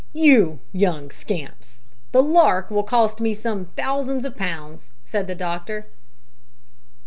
"You young scamps! the `lark' will cost me some thousands of pounds," said the doctor.